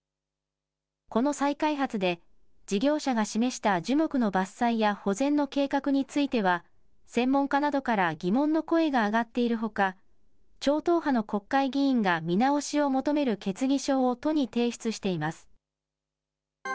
この再開発で、事業者が示した樹木の伐採や保全の計画については、専門家などから疑問の声が上がっているほか、超党派の国会議員が見直しを求める決議書を都に提出しています。